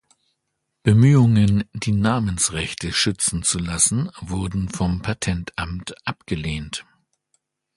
Bemühungen, die Namensrechte schützen zu lassen, wurden vom Patentamt abgelehnt.